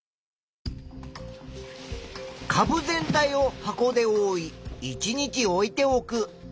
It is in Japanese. かぶ全体を箱でおおい１日置いておく。